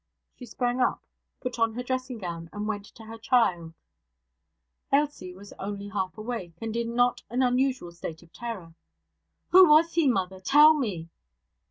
She sprang up, put on her dressing gown, and went to her child. Ailsie was only half awake, and in a not unusual state of terror. 'Who was he, mother? Tell me!'